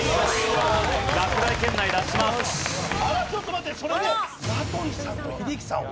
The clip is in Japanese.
ちょっと待ってそれで名取さんと英樹さんは。